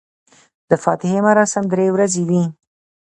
د فاتحې مراسم درې ورځې وي.